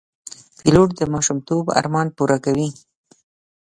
پیلوټ د ماشومتوب ارمان پوره کوي.